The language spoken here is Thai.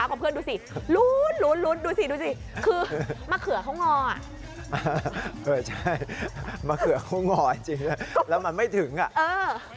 โอ้โหพี่ไม่แม่นเลย